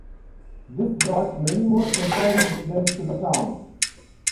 This brought many more temporary residents to the town.